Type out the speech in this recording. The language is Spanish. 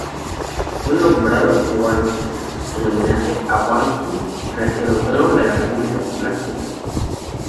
Fue nombrado Guangxi en homenaje a Guangxi región autónoma de la República Popular China.